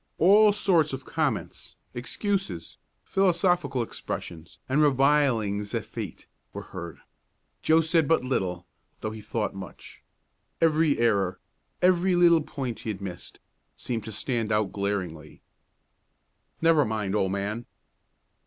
All sorts of comments, excuses, philosophical expressions, and revilings at fate, were heard. Joe said but little, though he thought much. Every error every little point he had missed seemed to stand out glaringly. "Never mind, old man!"